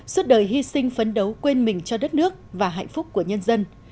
suốt đời hy sinh phấn đấu quên mình cho đất nước và hạnh phúc của nhân dân